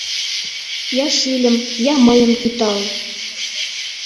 Я шӱльым, я мыйым кӱтал